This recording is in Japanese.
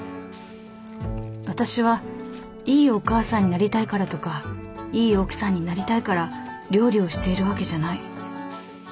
私はいいお母さんになりたいからとかいい奥さんになりたいから料理をしているわけじゃない。